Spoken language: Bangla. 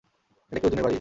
এটা কি অর্জুনের বাড়ি?